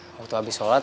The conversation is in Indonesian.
waktu abis sholat